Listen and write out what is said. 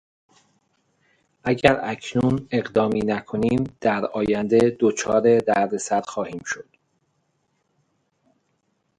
اگر اکنون اقدامی نکنیم در آینده دچار دردسر خواهیم شد.